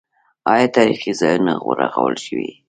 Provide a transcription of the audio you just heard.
آیا تاریخي ځایونه رغول شوي؟